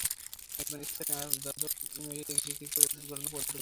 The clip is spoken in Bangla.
একজন স্থানীয় যাজক এই মেয়েটিকে ঘিরে কিছু অদ্ভুত ঘটনার প্রত্যক্ষদর্শী।